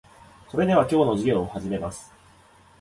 それでは、今日の授業を始めます。